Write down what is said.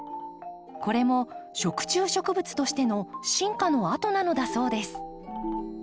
これも食虫植物としての進化の跡なのだそうです。